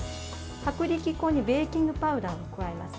薄力粉にベーキングパウダーを加えます。